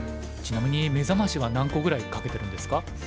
ちなみに目覚ましは何個ぐらいかけてるんですか？